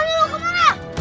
kamu bisa berhati hati